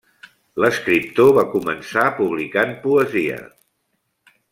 L'escriptor va començar publicant poesia.